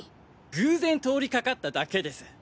偶然通りかかっただけです。